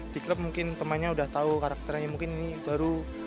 di klub mungkin temannya udah tahu karakternya mungkin ini baru